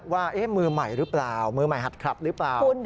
ว่ามือใหม่หรือเปล่ามือใหม่หัดคลับหรือเปล่า